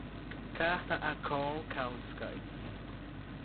Carta a Karl Kautsky